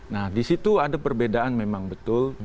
nah di situ ada perbedaan memang betul